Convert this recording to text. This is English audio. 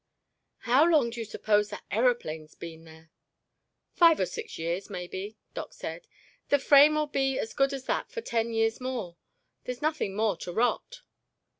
"How long do you suppose that aeroplane's been there?" "Five or six years, maybe," Doc said. "The frame'll be as good as that for ten years more. There's nothing more to rot."